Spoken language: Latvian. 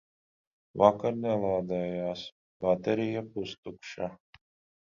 Vakar nelādējās, baterija pustukša.